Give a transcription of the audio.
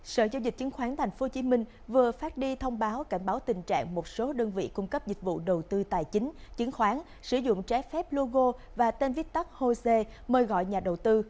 sở giao dịch chứng khoán tp hcm vừa phát đi thông báo cảnh báo tình trạng một số đơn vị cung cấp dịch vụ đầu tư tài chính chứng khoán sử dụng trái phép logo và tên vitt hosea mời gọi nhà đầu tư